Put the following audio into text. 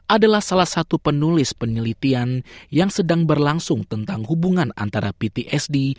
adalah salah satu penulis penelitian yang sedang berlangsung tentang hubungan antara ptsd